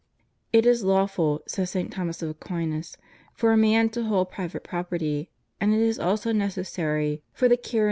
" It is lawful," says St. Thomas of Aquin, ''for a man to hold private property; and it is also necessary for the carrying on of » 2 Tim.